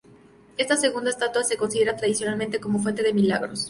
Esta segunda estatua se considera tradicionalmente como fuente de milagros.